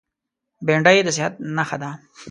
بېنډۍ د صحت نښه ده